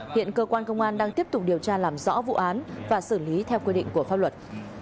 hiện cơ quan công an đang tiếp tục điều tra làm rõ vụ án và xử lý theo quy định của pháp luật